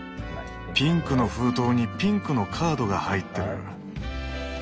ピンクの封筒にピンクのカードが入ってる。